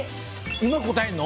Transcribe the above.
今答えるの？